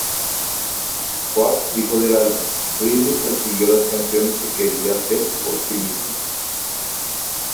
Kwak dijo del álbum: ""Britney persiguió las canciones que quería hacer por sí misma.